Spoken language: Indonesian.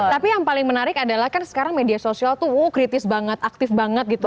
tapi yang paling menarik adalah kan sekarang media sosial tuh kritis banget aktif banget gitu